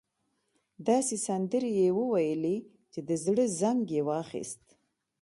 داسې سندرې يې وويلې چې د زړه زنګ يې واخيست.